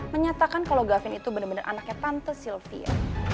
menyatakan kalau gavin itu benar benar anaknya tante sylvia